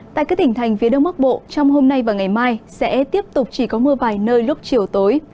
tại các tỉnh thành phía đông bắc bộ trong hôm nay và ngày mai sẽ tiếp tục chỉ có mưa vài nơi lúc chiều tối